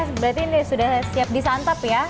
oke berarti ini sudah siap di santap ya